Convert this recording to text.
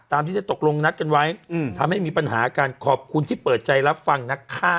ที่จะตกลงนัดกันไว้ทำให้มีปัญหาการขอบคุณที่เปิดใจรับฟังนะคะ